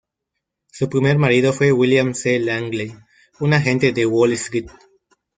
Su primer marido fue William C. Langley, un agente de Wall Street.